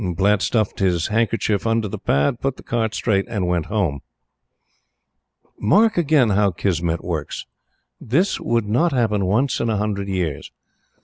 Platte stuffed his handkerchief under the pad, put the cart straight, and went home. Mark again how Kismet works! This would not happen once in a hundred years.